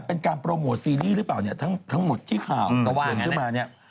เป็นการโปรโมทซีรีส์หรือเปล่าเนี่ยทั้งหมดที่ข่าวกังวลขึ้นมาเนี่ย